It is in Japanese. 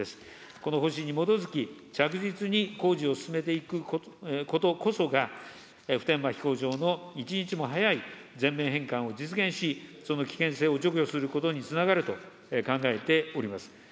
この方針に基づき、着実に工事を進めていくことこそが、普天間飛行場の一日も早い全面返還を実現し、その危険性を除去することにつながると考えております。